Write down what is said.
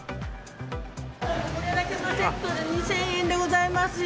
これだけのセットで２０００円でございますよ。